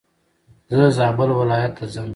زه زابل ولايت ته ځم.